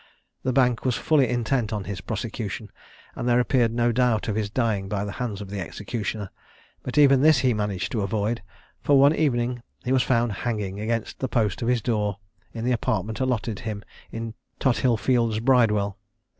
The Bank was fully intent on his prosecution, and there appeared no doubt of his dying by the hands of the executioner; but even this he managed to avoid, for one evening he was found hanging against the post of his door, in the apartment allotted him in Tothillfields' Bridewell.